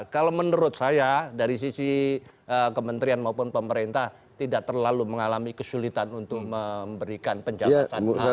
kalau menurut saya dari sisi kementerian maupun pemerintah tidak terlalu mengalami kesulitan untuk memberikan penjabatan